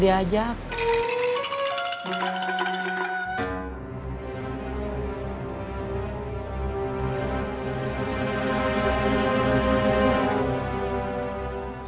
terhampir baik banget